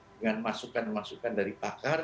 dengan masukan masukan dari pakar